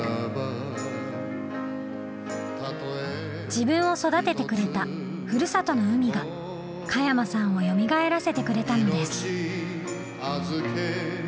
自分を育ててくれたふるさとの海が加山さんをよみがえらせてくれたのです。